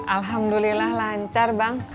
alhamdulillah lancar bang